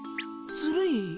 ずるい？